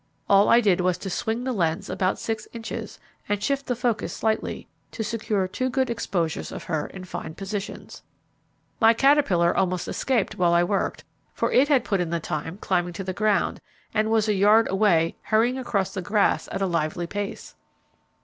All I did was to swing the lens about six inches, and shift the focus slightly, to secure two good exposures of her in fine positions. My caterpillar almost escaped while I worked, for it had put in the time climbing to the ground, and was a yard away hurrying across the grass at a lively pace.